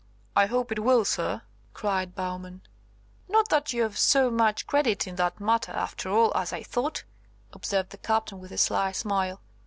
"I hope it will, Sir," cried Bowman. "Not that you've so much credit in that matter, after all, as I thought," observed the Captain with a sly smile.